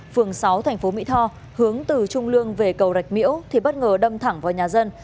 phường sáu thành phố mỹ tho hướng từ trung lương về cầu rạch miễu thì bất ngờ đâm thẳng vào nhà dân